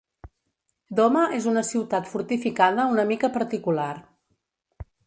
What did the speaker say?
Doma és una ciutat fortificada una mica particular.